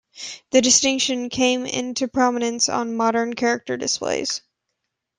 The distinction came into prominence on modern character displays.